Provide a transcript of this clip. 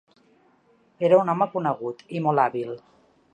Era un home conegut, i molt hàbil.